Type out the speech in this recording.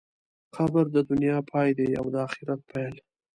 قبر د دنیا پای دی او د آخرت پیل.